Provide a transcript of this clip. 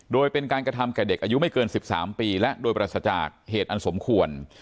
โดยเป็นการกระทำแก่เด็กอายุไม่เกิน๑๓ปีและโดยปราศจากเหตุอันสมควร